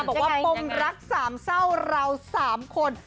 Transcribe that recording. บอกว่าปมรักสามเศร้าเรา๓คน